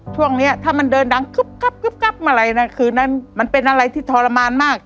ช่วงนี้ถ้ามันเดินดังกึ๊บอะไรนะคืนนั้นมันเป็นอะไรที่ทรมานมาก